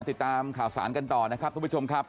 ติดตามข่าวสารกันต่อนะครับทุกผู้ชมครับ